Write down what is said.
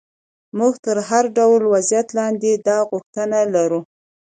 موږ تر هر ډول وضعیت لاندې دا غوښتنه لرو.